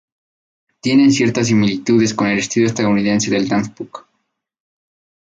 Tiene ciertas similitudes con el estilo estadounidense del dance punk.